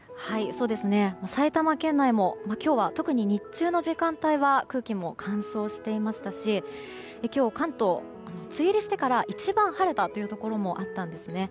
埼玉県内も今日は特に日中の時間帯は空気も乾燥していましたし今日、関東梅雨入りしてから一番晴れたというところもあったんです。